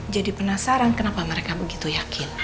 jadi penasaran kenapa mereka begitu yakin